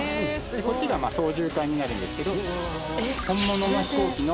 こっちが操縦桿になるんですけど。